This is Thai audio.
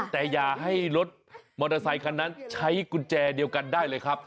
แต่อย่าให้รถมอเตอร์ไซคันนั้นใช้กุญแจเดียวกันได้เลยครับ